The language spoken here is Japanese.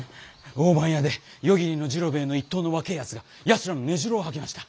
大番屋で夜霧ノ治郎兵衛の一党の若えやつがやつらの根城を吐きました。